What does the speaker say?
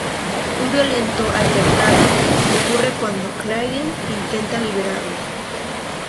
Un violento altercado ocurre cuando Claire intenta liberarlos.